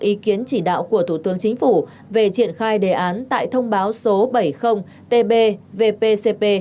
ý kiến chỉ đạo của thủ tướng chính phủ về triển khai đề án tại thông báo số bảy mươi tb vpcp